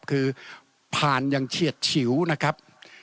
คือผ่านอย่างเฉียดฉิวนะครับ